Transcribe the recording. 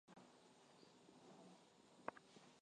Simu imeharibika.